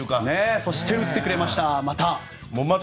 そして打ってくれました。